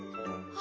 あ。